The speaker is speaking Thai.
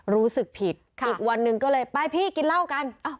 รู้สึกผิดอีกวันหนึ่งก็เลยไปพี่กินเหล้ากัน